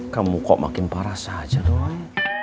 kamu kok makin parah saja doang